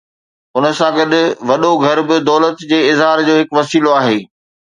ان سان گڏ وڏو گهر به دولت جي اظهار جو هڪ وسيلو آهي.